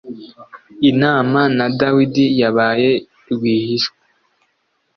inama na Dawidi yabaye rwihishwa.